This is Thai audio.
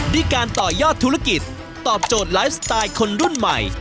ด้วยการต่อยอดธุรกิจตอบโจทย์ไลฟ์สไตล์คนรุ่นใหม่